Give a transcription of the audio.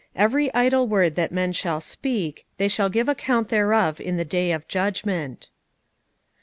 "Every idle word that men shall speak, they shall give account thereof in the day of judgment."